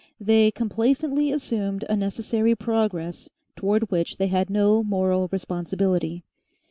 They complacently assumed a necessary progress towards which they had no moral responsibility.